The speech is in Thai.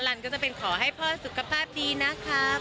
ันก็จะเป็นขอให้พ่อสุขภาพดีนะครับ